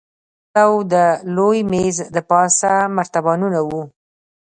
يو پلو د لوی مېز دپاسه مرتبانونه وو.